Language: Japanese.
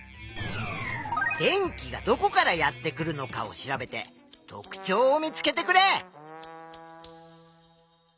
電気がどこからやってくるのかを調べて特ちょうを見つけてくれ！